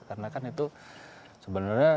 karena kan itu sebenarnya